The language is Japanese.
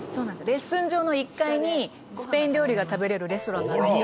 レッスン場の１階にスペイン料理が食べられるレストランがあるんです」